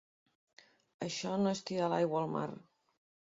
Això no és tirar l’aigua al mar.